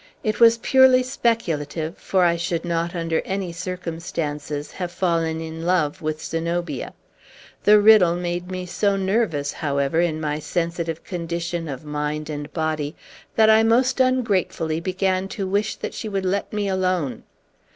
It was purely speculative, for I should not, under any circumstances, have fallen in love with Zenobia. The riddle made me so nervous, however, in my sensitive condition of mind and body, that I most ungratefully began to wish that she would let me alone.